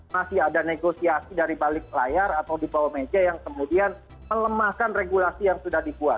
masih ada negosiasi dari balik layar atau di bawah meja yang kemudian melemahkan regulasi yang sudah dibuat